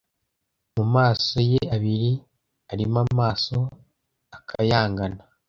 mu maso ye abiri arimo amaso akayangana